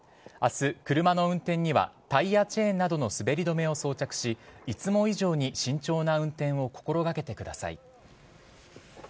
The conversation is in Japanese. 明日、車の運転にはタイヤチェーンなどの滑り止めを装着しいつも以上に慎重な運転を心掛けてください。